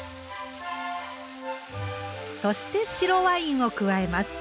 そして白ワインを加えます。